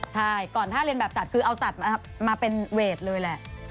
ใช่ก่อนถ้าเรียนแบบสัตว์คือเอาสัตว์มาเป็นเวทเลยแหละ